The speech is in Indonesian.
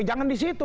jangan di situ